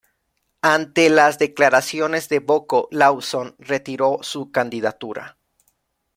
Ante las declaraciones de Boko, Lawson retiró su candidatura.